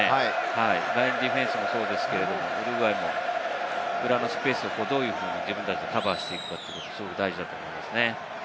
ラインディフェンスもそうですけれどウルグアイも裏のスペースをどういうふうに自分たちでカバーしていくかが大事ですね。